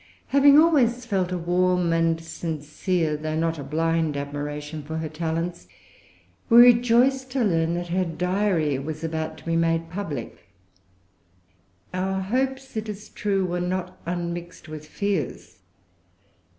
Having always felt a warm and sincere, though not a blind admiration for her talents, we rejoiced to learn that her Diary was about to be made public. Our hopes, it is true, were not unmixed with fears.